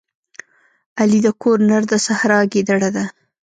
علي د کور نر د سحرا ګیدړه ده.